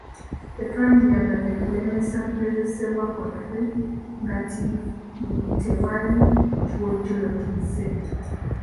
Tetwandiyagadde kulemesa kugezesebwa kwaffe nga nti tewali kiwojjolo kizze.